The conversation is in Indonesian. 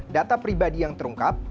data pribadi yang terungkap